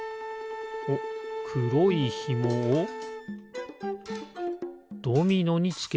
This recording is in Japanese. おっくろいひもをドミノにつける。